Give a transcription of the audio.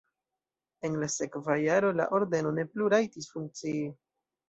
En la sekva jaro la ordeno ne plu rajtis funkcii.